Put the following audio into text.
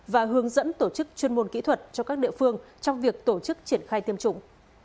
và hướng dẫn tổ chức chuyên môn kỹ thuật cho các địa phương trong việc tổ chức triển khai tiêm chủng